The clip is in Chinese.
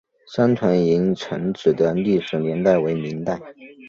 三屯营城址的历史年代为明代。